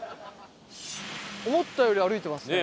思ったより歩いてますね。